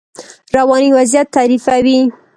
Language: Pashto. رواني وضعیت تعریفوي.